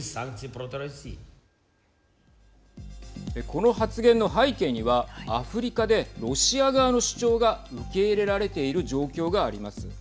この発言の背景にはアフリカでロシア側の主張が受け入れられている状況があります。